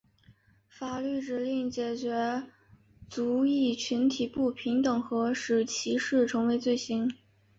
法律指令解决族裔群体不平等和使歧视成为罪行。